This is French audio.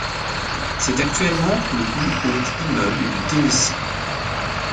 C'est actuellement le plus haut immeuble du Tennessee.